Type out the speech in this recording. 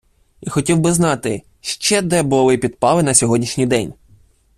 І хотів би знати, ще де були підпали на сьогоднішній день?